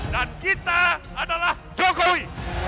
dan kita adalah jokowi